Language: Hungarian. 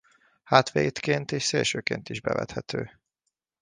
Hátvédként és szélsőként is bevethető.